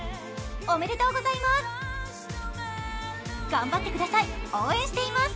おめでとうございます。